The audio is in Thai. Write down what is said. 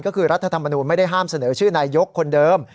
ก็คือรัฐธรรมนูลไม่ได้ห้ามเสนอชื่อนายกคนเดิม